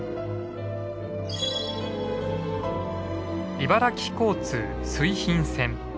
茨城交通水浜線。